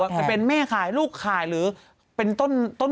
เท่ากับว่าเป็นแม่ขายลูกขายหรือเป็นต้นตล